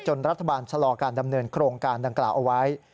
รัฐบาลชะลอการดำเนินโครงการดังกล่าวเอาไว้